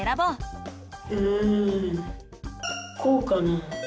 うんこうかな？